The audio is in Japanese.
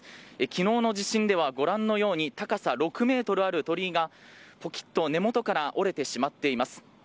きのうの地震では、ご覧のように、高さ６メートルある鳥居が、ぽきっと根元から折れてしまっています。